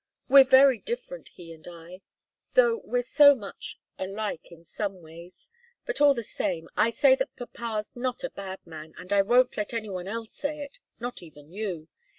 We're very different, he and I, though we're so much alike in some ways. But all the same, I say that papa's not a bad man, and I won't let any one else say it not even you.